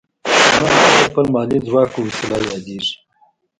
شتمن تل د خپل مالي ځواک په وسیله یادېږي.